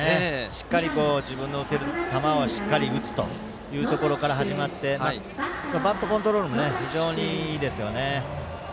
しっかり自分の打てる球を打つというところから始まってバットコントロールも非常にいいですよね。